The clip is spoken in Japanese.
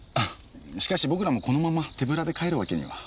しかし僕らもこのまま手ぶらで帰るわけには。